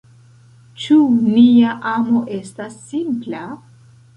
Ĉu nia amo estas simpla?